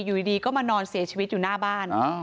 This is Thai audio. อยู่ดีก็มานอนเสียชีวิตอยู่หน้าบ้าน